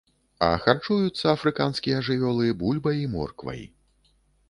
А харчуюцца афрыканскія жывёлы бульбай і морквай.